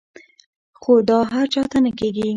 خو دا هر چاته نۀ کيږي -